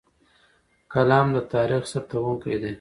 قلم د تاریخ ثبتونکی دی.